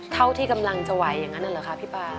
เท่าที่กำลังจะไหวอย่างนั้นเหรอคะพี่ป่า